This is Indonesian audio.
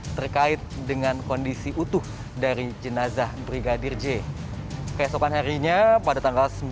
terkait dengan kondisi utuh dari jenazah brigadir j keesokan harinya pada tanggal sembilan juli dua ribu dua puluh dua jenazah